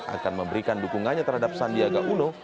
akan memberikan dukungannya terhadap sandiaga uno